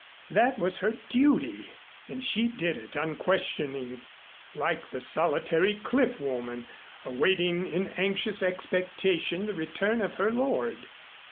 That was her duty and she did it unquestioning like the solitary cliff woman, awaiting in anxious expectation the return of her lord.